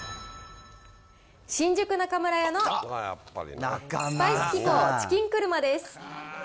新宿中村屋のスパイス紀行チキンクルマです。